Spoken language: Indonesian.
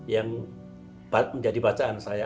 yang menjadi bacaan saya